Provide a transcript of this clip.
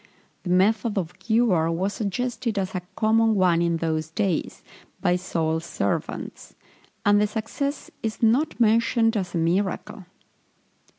The method of cure was suggested as a common one in those days, by Saul's servants; and the success is not mentioned as a miracle.